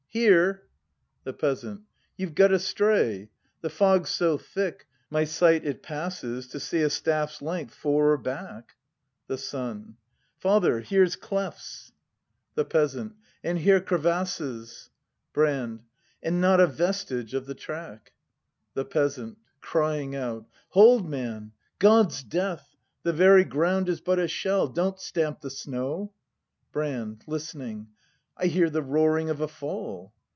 Here! The Peasant. You've got astray! The fog's so thick, my sight it passes To see a staff's length 'fore or back The Son. Father, here's clefts! 17 18 BRAND [ACT I The Peasant. And here crevasses! Brand., And not a vestige of the track. The Peasant. [Crying out.] Hold, man! God's death—! The very ground Is but a shell! Don't stamp the snow ! Brand. [Listeni7ig .] I hear the roaring of a fall.